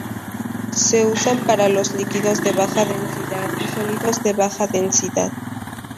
Se usan para los líquidos de baja densidad y sólidos de baja densidad.